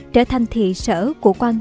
trở thành thị sở của quan tâm